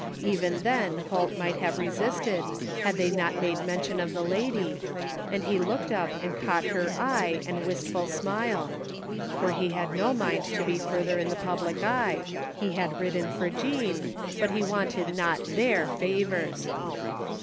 Even then Holt might have resisted had they not made mention of the lady, and he looked up and caught her eye and wistful smile — for he had no mind to be further in the public eye — ^he had ridden for Jean, but he wanted not their favors.